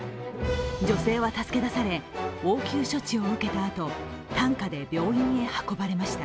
女性は助け出され応急処置を受けたあと担架で病院に運ばれました。